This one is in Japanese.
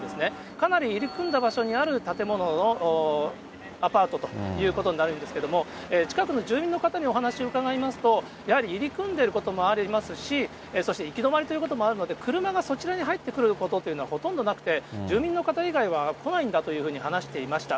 かなり入り組んだ場所にある建物のアパートということになるんですけれども、近くの住民の方にお話を伺いますと、やはり入り組んでいることもありますし、そして行き止まりということもあるので、車がそちらに入ってくることというのはほとんどなくて、住民の方以外は来ないんだというふうに話していました。